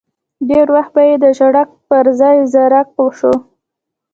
ډېری وخت به یې د ژړک پر ځای زرک شو.